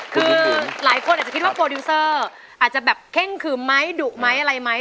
คือหลายคนอาจจะคิดว่าโปรดิวเซอร์อาจจะแบบเข้งขึมไหมดุไหมอะไรไหม